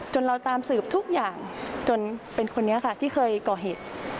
เราตามสืบทุกอย่างจนเป็นคนนี้ค่ะที่เคยก่อเหตุ